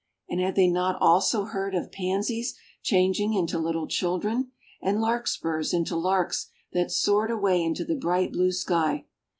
And had they not also heard of Pansies changing into little children, and Larkspurs into larks that soared away into the bright blue sky?